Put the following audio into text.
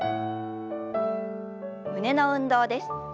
胸の運動です。